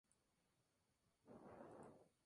Actualmente sobreviven muy pocas barcas Gozo.